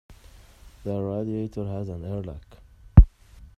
The radiator has an air lock.